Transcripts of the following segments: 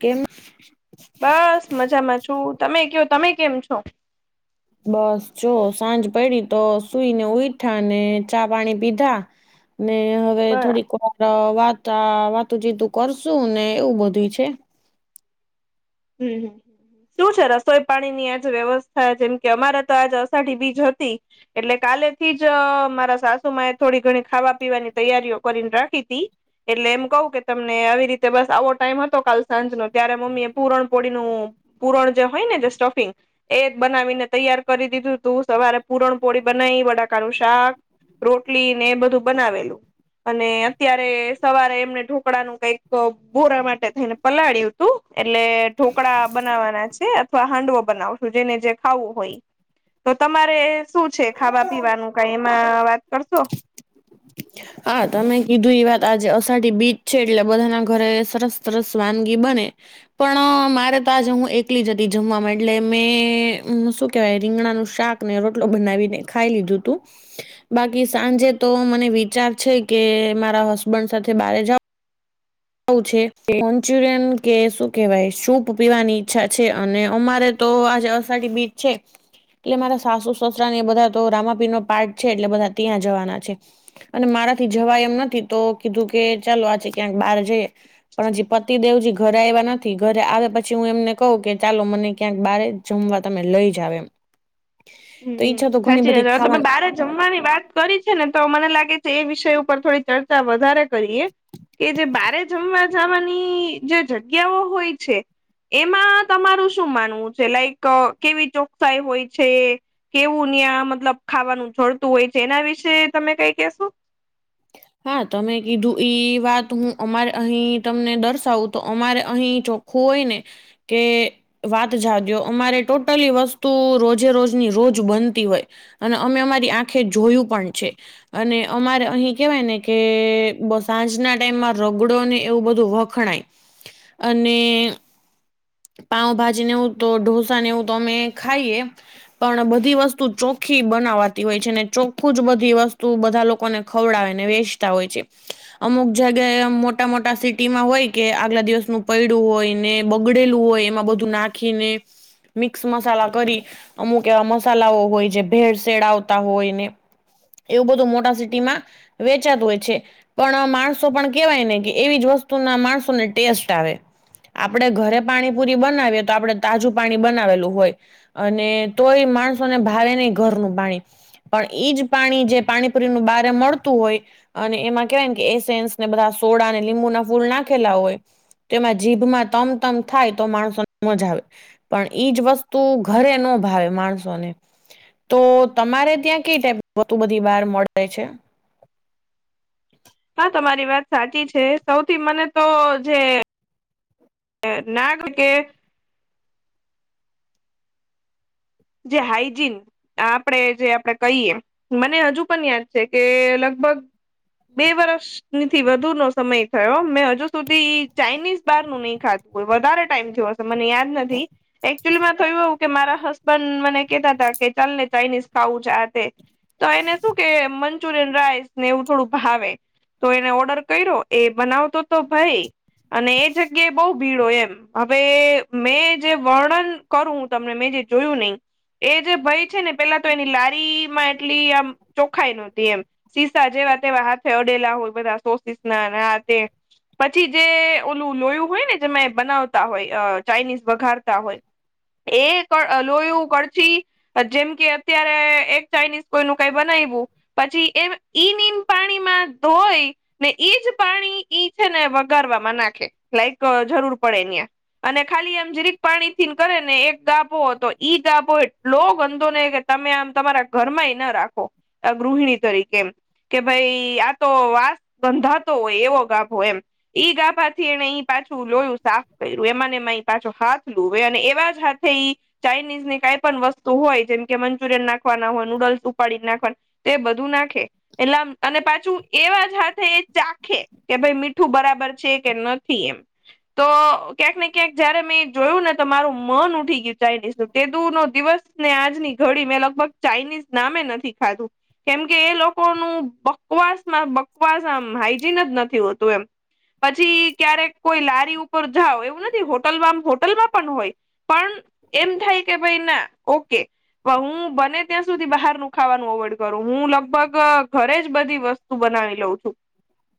કેમ? બસ મજામાં છું તમે કયો તમે કેમ છો? બસ જો સાંજ પડી તો સુઈને ઉઈઠા ને ચા પાણી પીધા ને હવે બરાબર થોડીક વાર વાતા વાતું જીતું કરશું ને એવું બધું છે. હમ હમ. શું છે રસોઈ પાણી ની આજ વ્યવસ્થા જેમ કે અમારે તો આજ અષાઢી બીજ હતી એટલે કાલે થી જ મારા સાસુમા એ થોડી ઘણી ખાવા પીવાની તૈયારીઓ કરીને રાખી તી. એટલે એમ કહું કે તમને આવી રીતે બસ આવો ટાઈમ હતો કાલ સાંજ નો ત્યારે મમ્મી એ પુરણપોળીનું પૂરણ જે હોય ને જે સ્ટફિંગ એ જ બનાવીને તૈયાર કરી દીધું તું સવારે પુરણપોળી બનાવી બટાકાનું શાક રોટલી ને એ બધું બનાવેલું અને અત્યારે સવારે એમને ઢોકળાનું કઈક બોરા માટે થઈને પલાળ્યું હતું એટલે ઢોકળા બનાવાના છે અથવા હાંડવો બનાવશું જેને જે ખાવું હોય. તો તમારે શું છે ખાવા પીવાનું કઈ એમાં વાત કરશો હા તમે કીધું એ વાત આજે અષાઢી બીજ છે એટલે બધાના ઘરે સરસ સરસ વાનગી બને. પણ મારે તો આજ હું એકલી જ હતી જમવામાં એટલે મેં શું કેહેવાય રીંગણાનું શાક રોટલો બનાવીને ખાઈ લીધું તું બાકી સાંજે તો મને વિચાર છે કે મારા હસબન્ડ સાથે બહારે જવ છે મન્ચુરિયન કે શું કેવાય સૂપ પીવાની ઈચ્છા છે અને અમારે તો આજે અષાઢી બીજ છે. એટલે મારા સાસુ સસરા ને એ બધા તો રામાપીર નો પાઠ છે એટલે બધા ત્યાં જવાના છે. અને મારાથી જવા એમ નથી તો કીધું કે ચાલો આજે ક્યાંક બહાર જઈએ પણ હજી પતિદેવજી ઘરે આવ્યા નથી ઘરે આવે પછી હું એમને કહું કે ચાલો મને ક્યાંક બારે જમવા તમે લઈ જાવ એમ તો હમ્મ ઈચ્છા તો ઘણી સાચી બધી વાત હ ખાવા તમે બારે જમવાની વાત કરી છે ને તો મને લાગે છે એ વિષય ઉપર થોડી ચર્ચા વધારે કરીએ કે જે બારે જમવા જવાની જે જગ્યાઓ હોય છે એમાં તમારું શું માનવું છે લાઈક કેવી ચોકસાઈ હોય છે. કેવું ન્યાં મતલબ ખાવાનું જોડતું હોય છે એના વિશે તમે કઈ કેશો હા તમે કીધું વાત હું અમારે અહીં તમને દર્શાવું તો અમારે અહીં ચો ખૂ હોય ને કે વાત જાગ્યો અમારે ટોટલી વસ્તુ રોજે રોજની રોજ બનતી હોય અને અમે અમારી આંખે જોયું પણ છે અને અમારે અહી કેવાય ને કે સાંજના ટાઈમમાં રગડો ને એવું બધું વખણાય અને પાઉભાજી નેવું તો ઢોસા નેવું તો અમે ખાઈએ પણ બધી વસ્તુ ચોખ્ખી બનાવાતી હોય છે ને ચોખ્ખું જ બધી વસ્તુ બધા લોકોને ખવડાવે ને વેચતા હોય છે. અમુક જગ્યાએ મોટા મોટા સિટીમાં હોય કે આગલા દિવસનું પૈડું હોય ને બ ગડેલું હોય એમાં બધું નાખીને મિક્સ મસાલા કરી અમુક એવા મસાલાઓ હોય જે ભેળસેેડ આવતા હોય ને એવું બધું મોટા સિટીમાં વેચાતું હોય છે. પણ માણસો પણ કેવાય ને કે એવી જ વસ્તુ ના માણસોને ટેસ્ટ આવે આપણેે ઘરે પાણીપુરી બનાવીએ તો આપણે તાજું પાણી બનાવેલું હોય અને તોય માણસોને ભારે નહીં, ઘરનું પાણી. પણ એઈજ પાણી, જે પાણીપુરીનું બારે મળતું હોય. અને એમાં કેહેવાય કે એ સન્સ ને બધા સોડા અને લીંબુ ના ફૂલ નાખેલા હોય તેમાં જીભમાં તમ તમ થાય તો માણસો મજા આવે પણ ઈજ વસ્તુ ઘરે ન ભાવે માણસોને તો તમારે ત્યાં કઈ ટાઈપ બું બધી બહાર મળે છે. હા, તમારી વાત સાચી છે. સૌથી મને તો જે એ નાગ કે [unintelligible] જે હાઈજન. આપણેે જે આપડે કહીએ, મને હજુ પણ યાદ છે કે લગભગ. બે વર્ષ. થી વધુ નો સમય થયો, મેં હજુ સુધી ચાાઈનીઝ બાર નું નહી ખાધું. વધારે ટાઈમ થયો હશે, મને યાદ નથી. એકચુલીમાં થયું કે મારા હ પણ મને કેતા હતા કે, ચાલ ને ચાઇનીઝ ખાવું છે. આ તે તો એને શું કે મચુરિયન રાઈસ ને એવું થોડું ભાવે, તો એને ઓર્ડર કર્યો. એ બનાવતો તો ભાઈ. અને એ જગ્યાએ બહુ ભીડ હોય એમ. હવે મેં જે વર્ણન કરું તમને, મેં જે જોયું નહીં. એ જે ભય છે ને, પેલા તો એની લારી માં એટલી આમ ચોખાઈ નહોતી એમ. સીસા જે વાતે વાહાર ફડેલા હોય, બધા સોસા ના આ તે પછી જે ઓલું લોયું હોય ને, જે બનાવતા હોય, ચાઇનીઝ વઘારતા હોય. એ લોયું કરછી. જેમ કે અત્યારે એક ચાઇનીઝ કોઈ નું કંઈ બનાવ્યું. પછી એમ ઈન ન પાણીમાં ધોઈ. ને એઈજ પાણી ઈ છે ને, વગારવામાં નાખે, લાઈક જરૂર પડે ત્યાં. અને ખાલી એમ જરીક પાણી થી કરે ને, એક ગા આપો તો ઈદ આપો, એટલો ગંદો ને કે તમે આમ તમારા ઘરમાં ના રાખો. ગૃહિણી તરીકે. કે ભાઈ, આ તો વાસ ગંધાતો હોય એવો ગાભ હોય એમ. ઈ ગાભાથી એને પાછું લોયું સાફ કર્યું, એમાંને એમાં પાછો હાથ લુવે અને એવા જ હાથે. ચાઇનીઝ ની કંઈ પણ વસ્તુ હોય, જેમ કે મંચુરિયન નાખવાના હોય, નૂડલ્સ ઉપાડી નાખવાના. તો એ બધું નાખે એટલે, અને પાછું એવા જ હાથે એ ચાખે. કે ભાઈ, મીઠું બરાબર છે કે નથી એમ. તો ક્યાંક ને ક્યાંક, જયારે મેં જોયું ને, તો મારું મન ઉઠી ગયું. ચાાઈનીઝ ન તેદુ નો દિવસ ને આજની ઘડી મેં લગભગ ચાાઈનીઝ નામે નથી ખાધું. કેમ કે એ લોકોનું બકવાસમાં બકવાસ, આમ હાઈજીન જ નથી હોતું એમ. પછી ક્યારેક કોઈ લારી ઉપર જાઓ, એવું નથી. હોટલમાં હોટલમાં પણ હોય. પણ હ. એમ થાય કે, ભાઈ, ના ઓકે. હું બને ત્યાં સુધી બહારનું ખાવાનું અવોઈડ કરું. હું લગભગ ઘરે જ બધી વસ્તુ બનાવી લઉં છું,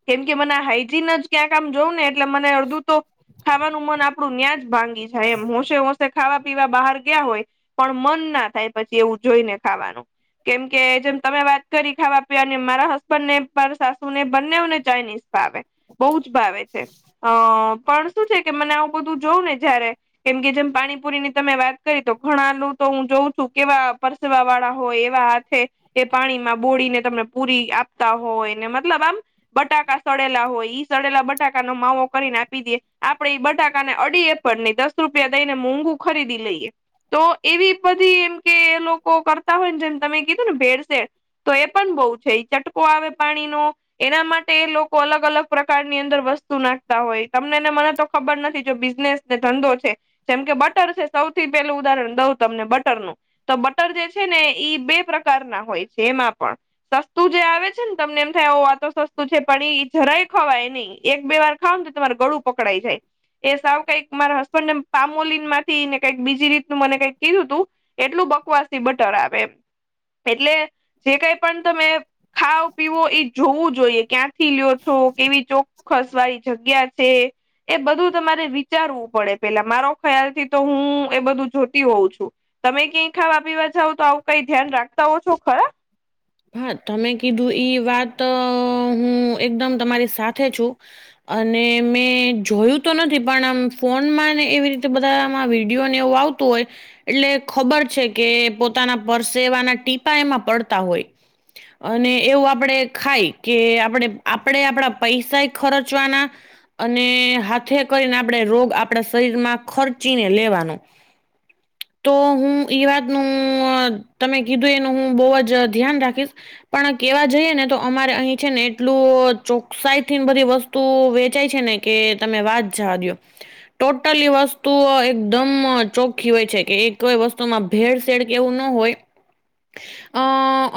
કેમ કે મને હાઈજીન જ ક્યાંક આમ જોયું ને. એટલે મને અડધું તો ખાવાનું મન આપડું ત્યાં જ ભાંગી જાય એમ, હોંશે હોશે ખાવા. પીવા બહાર ગયા હોય, પણ મન ના થાય પછી એવું જોઈ ને ખાવાનું. કેમ કે, જેમ તમે વાત કરી, ખાવા-પીવા મારા હસબન્ડ ને સાસુ ને બંને ને ચાઇનીઝ ભાવે, બહુ જ ભાવે છે. અ પણ શું છે કે, મને આવું બધું જોઉં ને જયારે, કેમ કે જેમ પાણીપુરીની તમે વાત કરી તો ઘણાલું તો હું જોઉં છું કે, પરસેવા વાળા હોય એવા હાથે. એ પાણીમાં બોળીને તમને પૂરી આપતા હોય ને, મતલબ આમ બટાકા સળેલા હોય, ઈ સડેલા બટાકાનો માવો કરીને આપી દેએ. આપડે બટાકાને એડી પણ નહીં, દસ રૂપિયા દઈ ને મોઘુ ખરીદી લઈએ. તો એવી બધી એમ કે, લોકો કરતા હોય ને, જેમ તમે કીધું ને, ભેળસેેળ. તો એ પણ બહુ છે એ ચટકો આવે પાણીનો એના માટે એ લોકો અલગ અલગ પ્રકારની અંદર વસ્તુ નાખતા હોય તમને એને મને તો ખબર નથી જો બિઝનેસ ધંધો છે, જેમ કે બટર છે. સૌથી પેલું ઉદાહરણ દઉં તમને બટર નું. તો બટર જે છે ને, ઈ બે પ્રકારના હોય છે એમાં પણ. સસ્તું જે આવે છે ને, તમને એમ થાય એ વાતો સસ્તું છે, પણ એ જરાય ખવાય નહી. એક-બે વાર ખાવ ને, તમાર ગળું પકડાઈ જાય એ સાવ કંઈક. મારા હસબન્ડે પામોલીન ને કઈક બીજી રીત મને કઈક કીધું તું એટલું બકવાસ થી બટર આવે એમ એટલે જે કઈ પણ તમે ખાાવ પીવો એ જોવું જોઈએ ક્યાંક થી લ્યો છો કેવી ચોક્કસ વાળી જગ્યા છે. એ બધું તમારે વિચારવું પડે પેલા મારો ખ્યાલથી તો હું એ બધું જોતી હોઉં છું. તમે ક્યાંય ખાવા પીવા જાવ તો આવું કઈ ધ્યાન રાખતા હો છો ખરા હા તમે કીધું ઈ વાત હું એકદમ તમારી સાથે છું. અને મેં જોયું તો નથી પણ આમ ફોનમાં ને એવી રીતે બધામાં વિડીિયોને એવું આવતું. હોય એટલે ખબર છે કે પોતાના પરસેવાના ટીપા એમાં પડતા હોય. હ અને એવું આપણે ખાય કે આપણે આપણેે આપણા પૈસા ખર્ચવાના અને હાથે કરીને આપણે રોગ આપણા શરીર માં ખર્ચીને લેવાનો તો હું ઈ વાતનું તમે કીધું એનું હું બહ જ ધ્યાન રાખ. પણ કેવા જઈએ ને તો અમારે અહીં છે ને એટલું ચોકસાઈ થીન બધી વસ્તુ. તું વેચાય છે ને કે તમે વાજ જવા દો ટોટલી વસ્તુ એકદમ ચોખ્ખી હોય છે કે કોઈ વસ્તુમાં. ભેળસેેડ કેવું ના હોય અ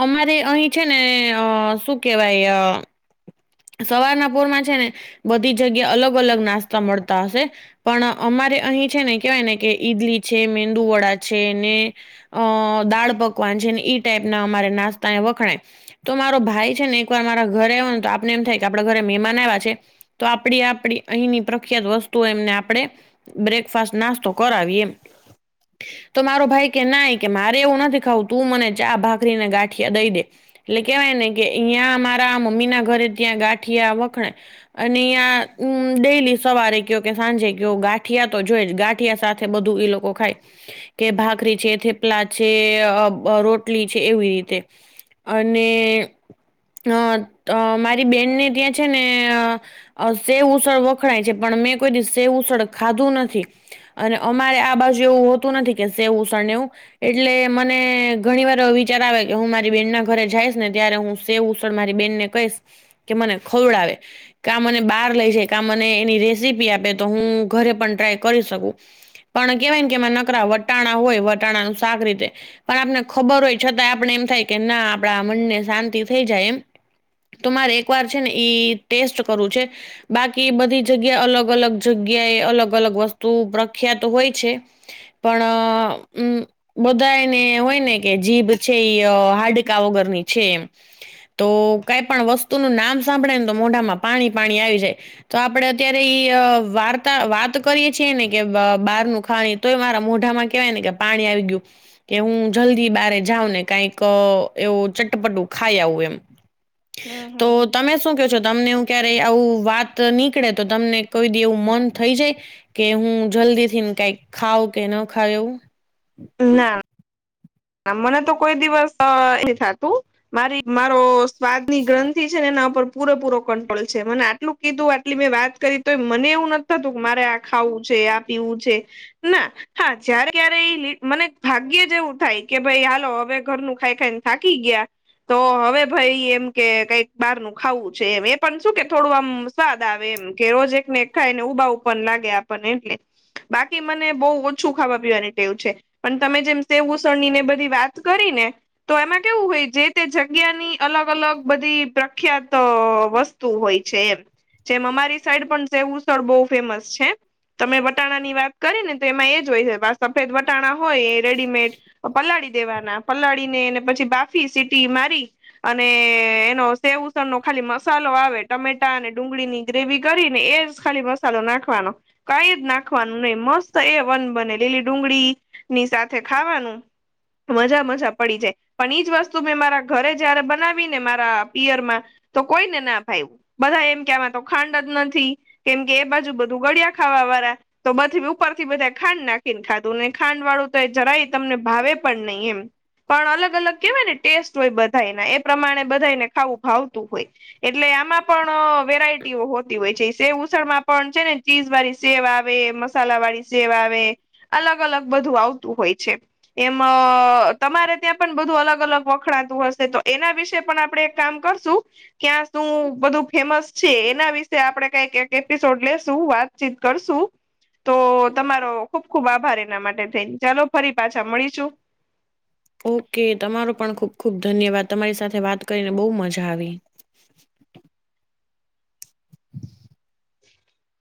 અમારે અહી છે ને અ શું કેહેવાય સવારના પુરમાં છે ને બધી જગ્યા અલગ અલગ નાસ્તા મળતા હશે. પણ અમારે અહીં છે ને કેવાય ને કે ઈડલી છે મેંદુ વડા છે ને. અ દાળ પકવાન છે ને ઈ ટાઈપ ના અમારે નાસ્તાને વખણાય. તો મારો ભાઈ છે ને એક વાર મારા ઘરે આવ ને તો આપને એમ થાય કે આપડા ઘરે મહેમાન આવ્યા છે. તો આપડી આપણી અહીંની પ્રખ્યાત વસ્તુઓ એમને આપણે. બ્રેકફાસ્ટ નાસ્તો કરાવી એમ. તો મારો ભાઈ કે ના કે મારે એવું નથી ખાવું તું મને ચા ભાખરી ને ગાઠ. ગાંઠિયા દઈ દે એટલે કેહેવાય ને કે અહિયાં મારા મમ્મી ના ઘરે ત્યાં ગાંઠિયા વખણાય. અને અ્યાં ડેલી સવારે કયો કે સાંજે કયો ગાંઠિયા તો જોઈ જ ગાંઠિયા સાથે. સાથે બધું એ લોકો ખાય. કે ભાખરી છે થેપલા છે રોટલી છે એવી રીતે. અને. અ મારી બેનને ત્યાં છે ને. અ સેવ ઉસળ વખણાય છે પણ મેં કોઈ દિવ સેવ ઉસળ ખાધું નથી. અને અમારે આ બાજુ એવું હોતું નથી કે સેવુંસણ એવું. એટલે મને ઘણી વાર વિચાર આવે કે હું મારી બેહેન ના ઘરે જઈશ ને ત્યારે હું સે ઉસળ મારી બેહેનને કહીશ કે મને ખવડાવે. ક મને બહાર લઈ જ ક મને એની રેસીપી આપે તો હું ઘરે પણ ટ્રાય કરી શકું? પણ કેહેવાય ને કે એમાં નકરા વટાણા હોય વટાણાનું શાક રીતે પણ આપને ખબર હોય છતાં. આપણે એમ થાય કે ના આપડા મનને શાંતિ થઈ જાય એમ. તો મારે એક વાર છે ને ઈ ટેસ્ટ કરવું છે. બાકી બધી જગ્યા અલગ અલગ જગ્યા એ અલગ અલગ વસ્તુ પ્રખ્યાત હોય છે. પણમ બધાને હોય ને કે જીભ. છે એ હા્ડકા વગર ની છે એમ. તો કઈ પણ વસ્તુ ન નામ સાંભળે ને તો મોઢામાં પાણી પાણી આવી જાય. તો આપડે અત્યારે ઈ વાર્તા વાત કરીએ છેીએ ને કે બહારનું ખાણી. તોય મારા મોઢામાં કેવાય ને કે પાણી આવી ગયું કે હું જલ્દી બારે. જાાવ ને કઈક એવું ચટપટું ખાઈ આવું એમ. હમ તો હમ હમ તમે શું કે છો. તમને એું ક્યારે આવું વાત નીકળે તો તમને કોઈધી એવું મન થઈ જાય. કે હું જલ્દી થી કઈક ખાવ કે ન ખાવ એવું. ના. આ મને તો કોઈ દિવસ એ થતું મારી મારો. વાદની ગ્રંથિ છે ને એના પર. પૂરેપૂરો કંટ્રોલ છે મને આટલું કીધું આટલી મેં વાત કરી તો મને એવું નથી થતું કે મારે આ ખાવું છે આ તેવું છે ના હા જ્યારે ક્યારે એ મને ભાગ્ય જેવું થાય. કે ભાઈ હાલો હવે ઘરનું ખાઈ ખાઈને થાકી ગયા. તો હવે ભાઈ એમ કે કઈક બહાર નું ખાવું છે એમ એ પણ શું કે થોડું આમ. સ્વાદ આવે એમ કે રોજ એક ને એક ખાયને ઊભા પણ લાગે આપણને એટલે બાકી મને બહ ઓછું ખાવા પીવાની ટેવું છે પણ તમે જેમ સેવું. ઉસડ ની ને બધી વાત કરી ને. તો એમાં કેવું હોય જે તે જગ્યાની અલગ અલગ બધી પ્રખ્યાત વસ્તુ હોય છે એમ જેમ અમારી સાઈડ પણ સેવ ઉસડ બહ ફેમસ છે. તમે વટાણા ની વાત કરી ને તો એમાં એ જ હોય છે સફેદ વટાણા હોય એ રેડીમેડ. પલાળી દેવાના પલાળી એને પછી બાફી સીટી મારી. અને એનો સેવસણ નો ખાલી મસાલો આવે ટમેટા અને ડુંગળીની. ગ્રેવી કરીને એજ ખાલી મસાલો નાખવાનો. કઈ જ નાખવાનું નહી મસ્ત એ વન બને લીલી ડુંગળી ની સાથે ખાવાનું. મજા મજા પડી જાય પણ એઈજ વસ્તુ મેં મારા ઘરે જયારે બનાવી ને મારા પિયરમાં. તો કોઈને ના ભાયુ બધા એમ કે આમાં તો ખાંડ જ નથી કેમ કે એ બાજુ બધું ગળિયા ખાવા વાળા તો બધી ઉપર થી બધા ખાંડ નાખીને ખાધું ને ખાંડ વાળું તો જરાય તમને ભાવે પણ નહી એમ પણ અલગ અલગ કેહેવાય ને ટેસ્ટ હોય બધાના એ પ્રમાણે બધાને ખાવું ભાવતું હોય એટલે આમાં પણ વેરાયટીઓ હોતી હોય છે શે ઉસણમાં પણ છે ને ચીઝ વાળી સેવ આવે મસાલા વાળી સેવ આવે અલગ અલગ બધું આવતું હોય છે એમ તમારે ત્યાં પણ બધું અલગ અલગ વખણાતું હશે તો એના વિશે પણ આપડે એક કામ કરશું ક્યાં શું બધું ફેમસ છે એના વિશે આપડે કઈક એપિસોડ લેશું વાત વાતચીત કરશું તો તમારો ખુબ ખુબ આભાર એના માટે થઈ ચાલો ફરી પાછા મળીશ શુ ઓકે તમારો પણ ખુબ ખુબ ધન્યવાદ તમારી સાથે વાત કરીને બહુ મજા આવી [inaudible]